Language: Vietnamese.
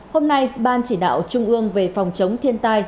hôm nay ban chỉ đạo trung ương về phòng chống thiên tai